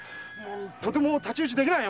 とても太刀打ちできない。